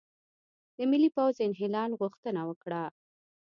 د ملي پوځ د انحلال غوښتنه وکړه،